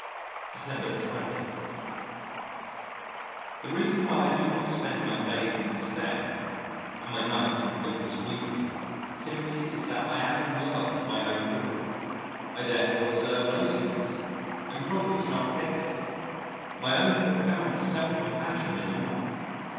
December 20. The reason why I do not spend my days in despair and my nights in hopeless weeping simply is that I am in love with my own ruin. I therefore deserve no sympathy, and probably shan't get it: my own profound self compassion is enough.